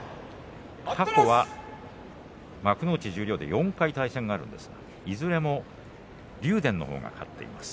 過去は幕内十両で４回対戦がありいずれも竜電のほうが勝っています。